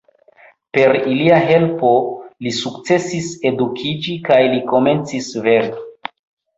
Per ilia helpo li sukcesis edukiĝi, kaj li komencis verki.